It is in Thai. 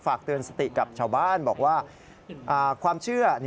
เตือนสติกับชาวบ้านบอกว่าความเชื่อ